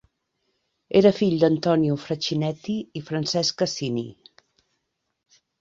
Era fill d'Antonio Facchinetti i Francesca Cini.